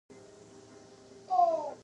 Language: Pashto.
د پښتو ادب ډیر بډایه دی.